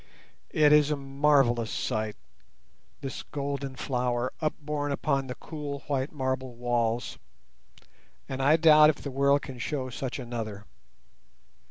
It is a marvellous sight—this golden flower upborne upon the cool white marble walls, and I doubt if the world can show such another.